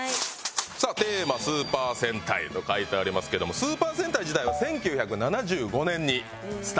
さあテーマ「スーパー戦隊」と書いてありますけどもスーパー戦隊自体は１９７５年にスタート致しました。